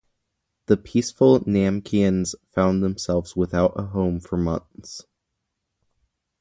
The peaceful Namekians found themselves without a home for months.